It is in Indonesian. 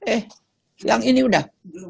eh yang ini udah